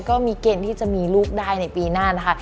ก็มีเกณฑ์ที่จะมีลูกได้ในปีหน้านะคะ